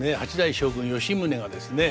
将軍吉宗がですね